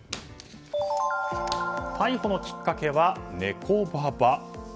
逮捕のきっかけはネコババ。